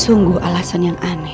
sungguh alasan yang aneh